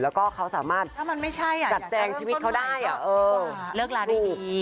แล้วก็เขาสามารถกัดแจงชีวิตเขาได้เลิกลาได้ดี